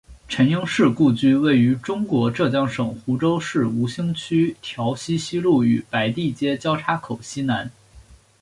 陈英士故居位于中国浙江省湖州市吴兴区苕溪西路与白地街交叉口西南。